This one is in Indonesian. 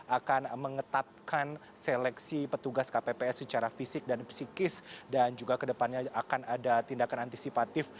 akan mengetatkan seleksi petugas kpps secara fisik dan psikis dan juga kedepannya akan ada tindakan antisipatif